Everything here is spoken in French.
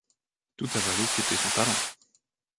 Tout avaler, c’était son talent.